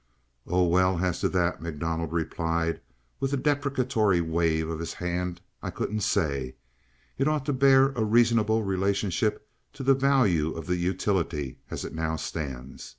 "Oh, well, as to that," MacDonald replied, with a deprecatory wave of his hand, "I couldn't say. It ought to bear a reasonable relationship to the value of the utility as it now stands.